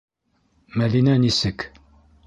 Мәҙинә нисек?